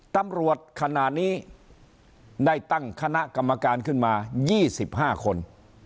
ขณะนี้ได้ตั้งคณะกรรมการขึ้นมา๒๕คน